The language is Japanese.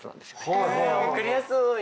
へえ分かりやすい！